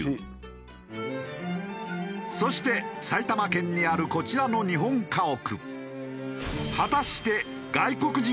そして埼玉県にあるこちらの日本家屋。